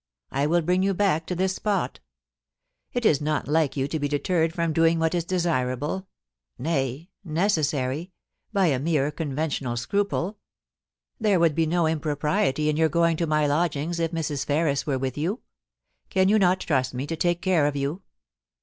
I will bring you back to this spot It is not like you to be deterred from doing what is desirable — nay, necessary — by a mere conventional scruple There would be no impropriety in your going to my lodgings if Mrs. Ferris were with you. Can you not trust me to take care of you